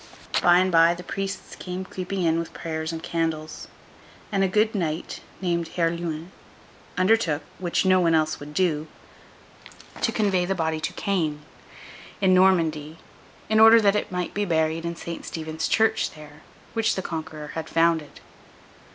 By and by, the priests came creeping in with prayers and candles; and a good knight, named Herluin, undertook (which no one else would do) to convey the body to Caen, in Normandy, in order that it might be buried in St. Stephen's church there, which the Conqueror had founded.